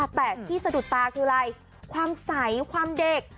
แต่ที่สะดุดตาคืออะไรความใสความเด็ก